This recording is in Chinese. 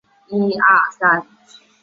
并不是每一种元件都遵守欧姆定律。